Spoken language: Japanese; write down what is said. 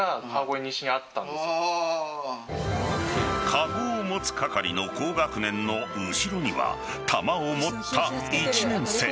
かごを持つ係の高学年の後ろには玉を持った１年生。